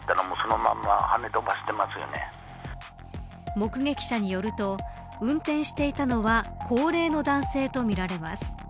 目撃者によると運転していたのは高齢の男性とみられます。